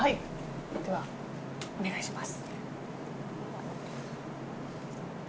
ではお願いします。